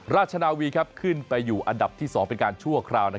ราชนาวีขึ้นไปอยู่อันดับที่๒เป็นการชั่วคราว